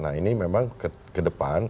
nah ini memang kedepan